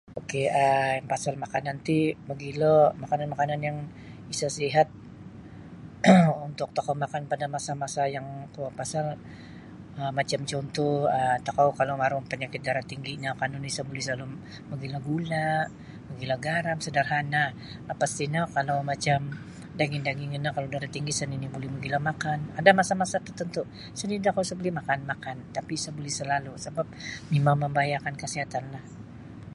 Ok um pasal makanan ti mogilo makanan-makanan yang isa sihat untuk tokou makan pada masa-masa yang kuo pasal um macam cuntuh um tokou kalau maru' maka panyakit darah tingginyo kan isa buli salalu' mogilo gula' mogilo garam sadarhana lapas tino kalau macam daging-daging ino kalau darah tinggi isa nini' buli mogilo makan ada masa-masa tertantu' isa nini' tokou isa buli makan tapi isa buli salalu' sabap mimang mambahayakan kasihatanlah.